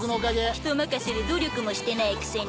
ひと任せで努力もしてないくせに。